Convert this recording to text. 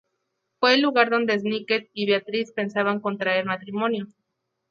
Fue el lugar donde Snicket y Beatrice pensaban contraer matrimonio.